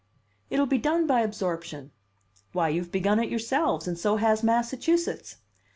"It'll be done by absorption. Why, you've begun it yourselves, and so has Massachusetts.